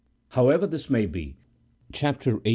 However this may be, chapter xviii.